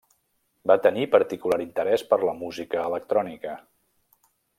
Va tenir particular interés per la música electrònica.